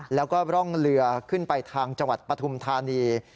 แล้วก็ร่องเรือขึ้นไปทางจังหวัดปฐุมธานี